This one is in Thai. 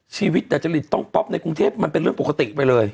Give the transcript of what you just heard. ชีวิตแต่จะฤทธิ์ต้องป๊อบในกรุงเทพฯมันเป็นเรื่องปกติไปเลย